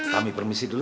kami permisi dulu